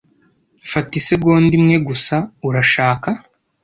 Fata isegonda imwe gusa, urashaka?